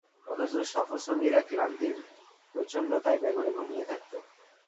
অথচ সফরসঙ্গীরা ক্লান্তির প্রচণ্ডতায় বেঘোরে ঘুমিয়ে থাকত।